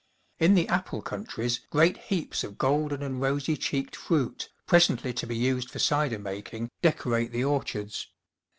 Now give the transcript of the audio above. In the apple countries great heaps of golden and rosy cheeked fruit, presently to be used for cider making, decorate the orchards.